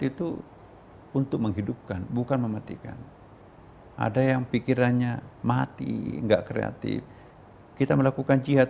itu untuk menghidupkan bukan mematikan ada yang pikirannya mati enggak kreatif kita melakukan jihad